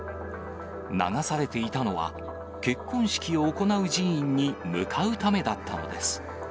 流されていたのは、結婚式を行う寺院に向かうためだったのです。